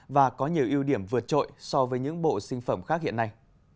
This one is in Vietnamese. và có nhiều ưu điểm vượt trội so với những bộ sinh phẩm khác hiện nay